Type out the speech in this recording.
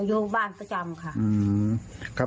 อยู่บ้านประจำค่ะ